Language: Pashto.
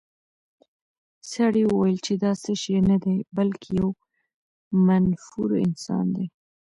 سړي وویل چې دا څه شی نه دی، بلکې یو منفور انسان دی.